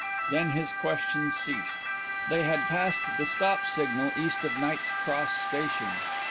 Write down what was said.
Then his questions ceased. They had passed the "stop" signal, east of Knight's Cross Station.